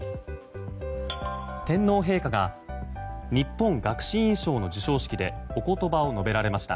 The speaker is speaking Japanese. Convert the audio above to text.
天皇陛下が日本学士院賞の授賞式でお言葉を述べられました。